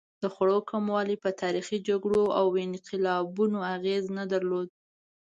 د خوړو کموالی په تاریخي جګړو او انقلابونو اغېز نه درلود.